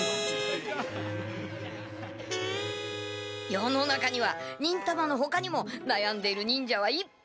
世の中には忍たまのほかにもなやんでいる忍者はいっぱいいるはず！